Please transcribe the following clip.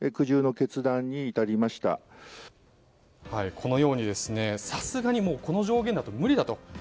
このように、さすがにこの上限だと無理だと。